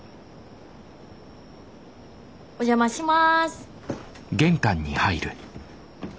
お邪魔します。